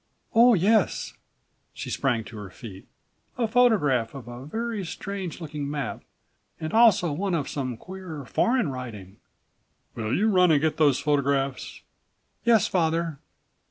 "Oh, yes," she sprang to her feet. "A photograph of a very strange looking map and also one of some queer foreign writing." "Will you run and get those photographs?"94 "Yes, father."